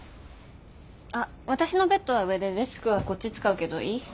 あ私のベッドは上でデスクはこっち使うけどいい？